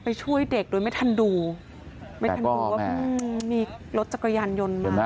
ช่วยเด็กโดยไม่ทันดูไม่ทันดูว่ามีรถจักรยานยนต์มา